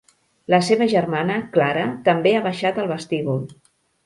La seva germana Clara també ha baixat al vestíbul.